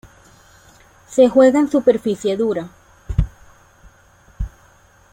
Se juega en superficie dura.